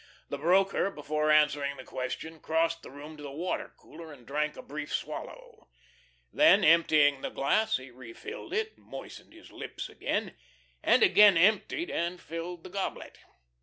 The broker before answering the question crossed the room to the water cooler and drank a brief swallow. Then emptying the glass he refilled it, moistened his lips again, and again emptied and filled the goblet.